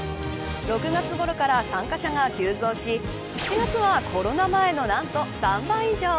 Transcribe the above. ６月ごろから参加者が急増し７月はコロナ前のなんと３倍以上。